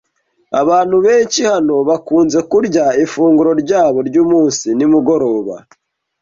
Abantu benshi hano bakunze kurya ifunguro ryabo ryumunsi nimugoroba